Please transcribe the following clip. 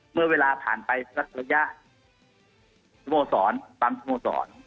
เมื่อเวลาพันไปยังไม่ตรดยาตัวสอน